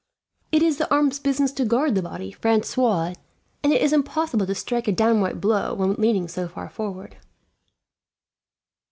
"It is the arm's business to guard the body, Francois, and it is impossible to strike a downright blow when leaning so far forward."